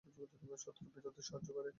শত্রুর বিরুদ্ধে সাহায্যকারী।